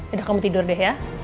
udah kamu tidur deh ya